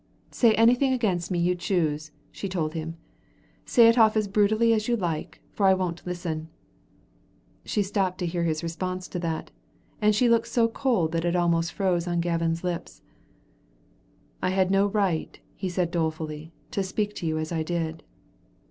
"Say anything against me you choose," she told him. "Say it as brutally as you like, for I won't listen." She stopped to hear his response to that, and she looked so cold that it almost froze on Gavin's lips. "I had no right," he said dolefully, "to speak to you as I did."